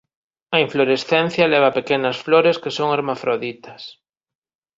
A inflorescencia leva pequenas flores que son hermafroditas.